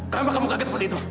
kenapa kamu kaget seperti itu